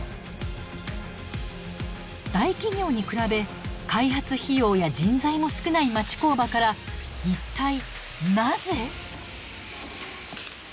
大企業に比べ開発費用や人材も少ない町工場から一体なぜ。